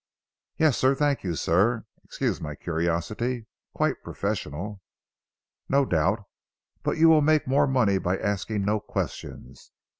"Yes sir, thank you, sir. Excuse my curiosity. Quite professional." "No doubt; but you will make more money by asking no questions.